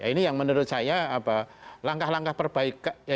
ini yang menurut saya langkah langkah perbaikan